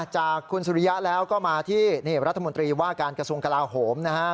จากคุณสุริยะแล้วก็มาที่รัฐมนตรีว่าการกระทรวงกลาโหมนะฮะ